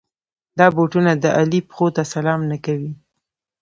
دا بوټونه د علي پښو ته سلام نه کوي.